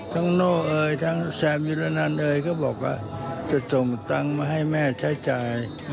โน่เอ่ยทั้งแซมยุรนันเอยก็บอกว่าจะส่งตังค์มาให้แม่ใช้จ่าย